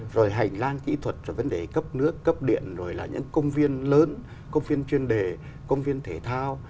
rồi hành lang kỹ thuật rồi vấn đề cấp nước cấp điện rồi là những công viên lớn công viên chuyên đề công viên thể thao